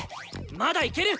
まだいける！